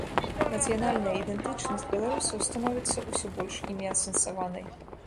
Нацыянальная ідэнтычнасць беларусаў становіцца ўсё больш імі асэнсаванай.